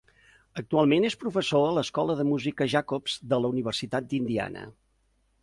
Actualment és professor a l'Escola de Música Jacobs de la Universitat d'Indiana.